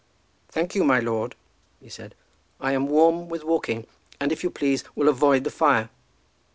"Thank you, my lord," he said, "I am warm with walking, and, if you please, will avoid the fire."